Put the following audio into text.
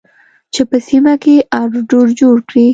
چې په سیمه کې اړو دوړ جوړ کړي